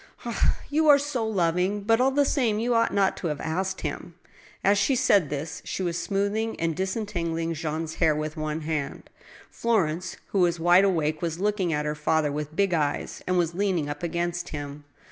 " Ah ! you are so loving ! But, all the same, you ought not to have asked him." As she said this, she was smoothing and disentangling Jean's hair with one hand. Florence, who was wide awake, was looking at her father with big eyes, and was leaning up against him.